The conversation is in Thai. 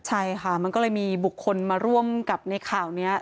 ใช่ค่ะมันก็เลยมีบุคคลมาร่วมกับในข่าวนี้